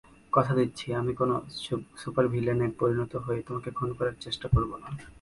কথা দিচ্ছি, আমি কোনো সুপারভিলেনে পরিণত হয়ে তোমাকে খুন করার চেষ্টা করবো না।